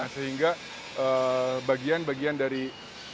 sehingga bagian bagiannya yang ada itu harus dikonsumsi